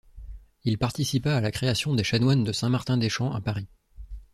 Il participa à la création des chanoines de Saint-Martin-des-Champs à Paris.